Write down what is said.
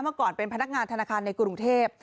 เมื่อก่อนเป็นพนักงานธนาคารในกรุงเทพ